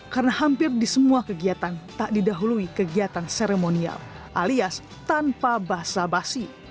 karena hampir di semua kegiatan tak didahului kegiatan seremonial alias tanpa bahasa basi